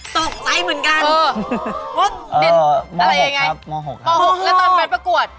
ตกใจเหมือนกันเออม๖ครับม๖ครับแล้วตอนเป็นประกวด